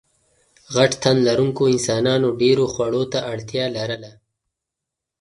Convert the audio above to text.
غټ تنلرونکو انسانانو ډېرو خوړو ته اړتیا لرله.